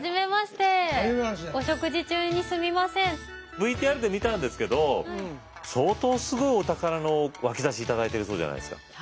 ＶＴＲで見たんですけど相当すごいお宝の脇差頂いてるそうじゃないですか？